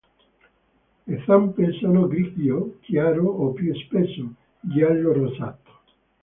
Le zampe sono grigio chiaro o, più spesso, giallo-rosato.